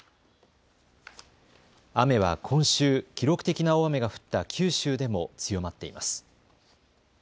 雨は今週、記録的な大雨が降った九州でも強まっています。